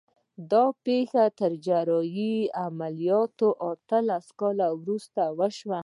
دا پېښه تر جراحي عملیات اتلس کاله وروسته وشوه